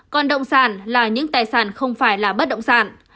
còn động sản là những tài sản không phải là bất động sản